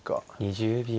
２０秒。